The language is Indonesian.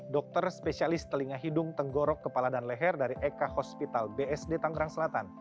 dokter spesialis telinga hidung tenggorok kepala dan leher dari eka hospital bsd tanggerang selatan